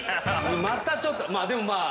またちょっとでもまあ。